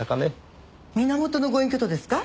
源のご隠居とですか？